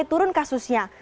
mulai turun kasusnya